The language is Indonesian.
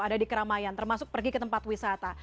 ada di keramaian termasuk pergi ke tempat wisata